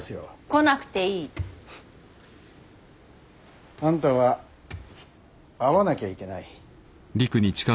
来なくていい。あんたは会わなきゃいけない。